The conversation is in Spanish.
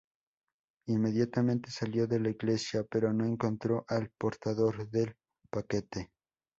Inmediatamente salió de la iglesia, pero no encontró al portador del paquete.